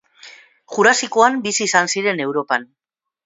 Jurasikoan bizi izan ziren Europan.